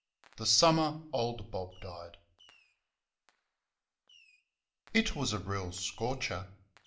The Summer Old Bob Died. It was a real scorcher.